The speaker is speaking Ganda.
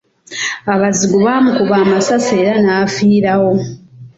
Abazigu baamukuba amasasi era n’afiirawo.